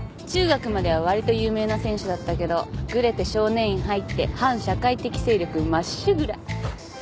中学まではわりと有名な選手だったけどぐれて少年院入って反社会的勢力まっしぐら。